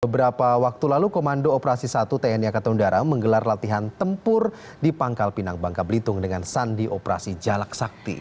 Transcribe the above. beberapa waktu lalu komando operasi satu tni angkatan udara menggelar latihan tempur di pangkal pinang bangka belitung dengan sandi operasi jalak sakti